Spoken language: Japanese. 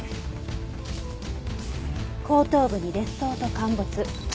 後頭部に裂創と陥没。